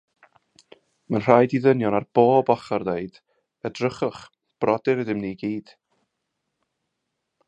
Mae‘n rhaid i ddynion ar bob ochr ddweud: Edrychwch brodyr ydym ni i gyd.